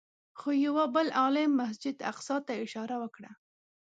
خو یوه بل عالم مسجد اقصی ته اشاره وکړه.